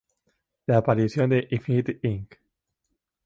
La aparición de Infinity Inc.